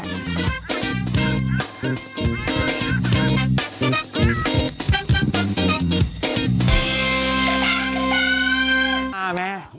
ตั้งตั้ง